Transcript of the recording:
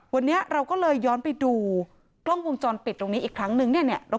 วันนี้เราก็เลยย้อนไปดูกล้องวงจรปิดตรงนี้อีกครั้งนึงเนี่ย